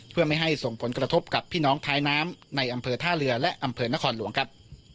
เพื่อไม่ให้ส่งผลกระทบกับพี่น้องท้ายน้ำในอำเภอท่าเรือและอำเภอนครหลวงครับ